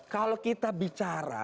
kalau kita bicara